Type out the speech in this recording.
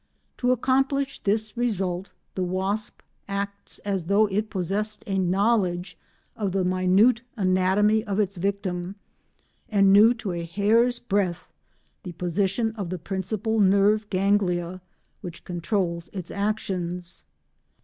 To accomplish this result the wasp acts as though it possessed a knowledge of the minute anatomy of its victim, and knew to a hair's breadth the position of the principal nerve ganglia which control its actions.